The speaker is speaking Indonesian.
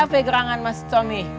apa gerangan mas tommy